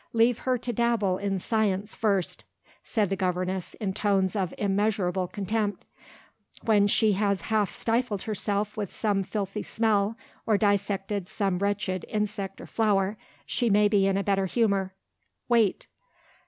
Leave her to dabble in science first," said the governess in tones of immeasurable contempt. "When she has half stifled herself with some filthy smell, or dissected some wretched insect or flower, she may be in a better humour. Wait."